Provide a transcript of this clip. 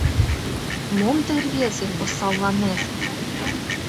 — Мом тый, рвезе, осалланет!